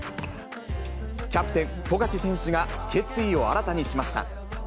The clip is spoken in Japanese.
キャプテン、富樫選手が、決意を新たにしました。